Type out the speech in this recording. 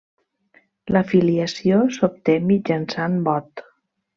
La filiació s'obté mitjançant vot.